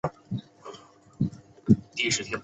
从马甸向东不远便是六铺炕。